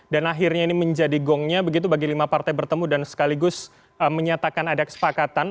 akhirnya ini menjadi gongnya begitu bagi lima partai bertemu dan sekaligus menyatakan ada kesepakatan